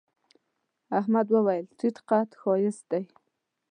احمد وويل: تيت قد ښایست دی.